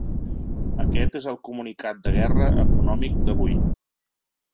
Aquest és el comunicat de guerra econòmic d’avui.